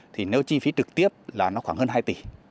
thì nếu chi phí trực tiếp là nó khoảng hơn hai tỷ